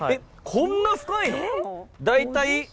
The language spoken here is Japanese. こんな深いの！